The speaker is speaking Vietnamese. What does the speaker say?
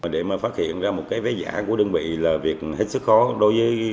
để mà phát hiện ra một cái vé giả của đơn vị là việc hết sức khó